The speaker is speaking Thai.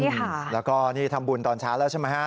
ค่ะแล้วก็นี่ทำบุญตอนเช้าแล้วใช่ไหมฮะ